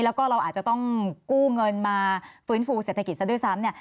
และก็เราอาจจะต้องกู้เงินมาฟืนฟูเศรษฐกิจสักด้วยซ้ำ